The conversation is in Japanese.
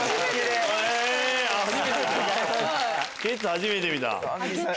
初めて見ました。